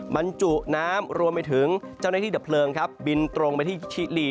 บรรจุน้ำรวมไปถึงเจ้าหน้าที่ดับเพลิงครับบินตรงไปที่ชิลี